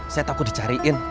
saya takut dicariin